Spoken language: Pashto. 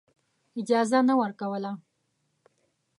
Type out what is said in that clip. اجازه نه ورکوله.